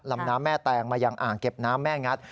ลำน้ำแม่แตงมายังอ่างเก็บน้ำแม่งัด